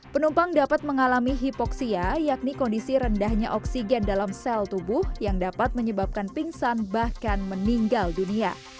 penumpang dapat mengalami hipoksia yakni kondisi rendahnya oksigen dalam sel tubuh yang dapat menyebabkan pingsan bahkan meninggal dunia